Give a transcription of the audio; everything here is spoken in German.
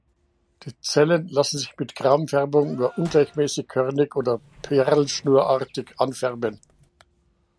Die Zellen lassen sich mit Gram-Färbung nur ungleichmäßig körnig oder perlschnurartig anfärben.